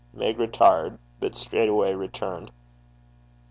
Meg retired, but straightway returned.